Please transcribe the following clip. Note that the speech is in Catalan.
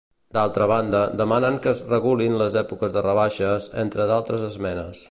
D'altra banda, demanen que es regulin les èpoques de rebaixes, entre d'altres esmenes.